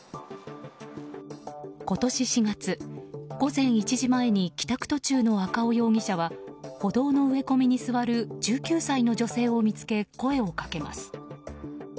今年４月、午前１時前に帰宅途中の赤尾容疑者は歩道の植え込みに座る１９歳の女性を見つけ声をかけます。